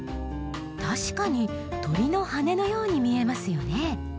確かに鳥の羽根のように見えますよね。